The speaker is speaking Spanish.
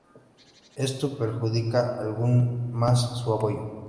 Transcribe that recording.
Esto perjudica aún más su apoyo.